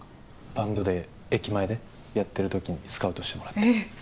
バンドで駅前でやってる時にスカウトしてもらってえっ